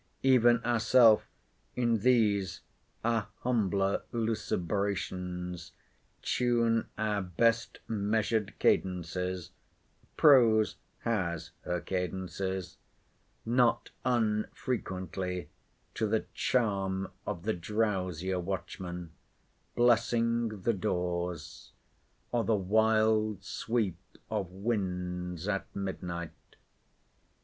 Even ourself, in these our humbler lucubrations, tune our best measured cadences (Prose has her cadences) not unfrequently to the charm of the drowsier watchman, "blessing the doors;" or the wild sweep of winds at midnight.